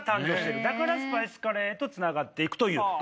だからスパイスカレーへとつながっていくという。